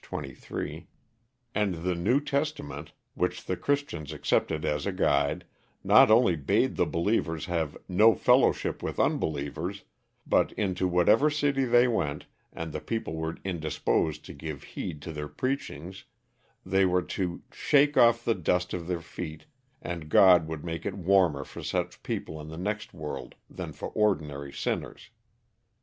23); and the New Testament, which the Christians accepted as a guide, not only bade the believer have "no fellowship with unbelievers," but into whatever city they went, and the people were indisposed to give heed to their preachings, they were to "shake off the dust of their feet," and god would make it warmer for such people in the next world than for ordinary sinners.